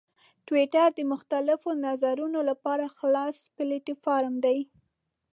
ټویټر د مختلفو نظرونو لپاره خلاص پلیټفارم دی.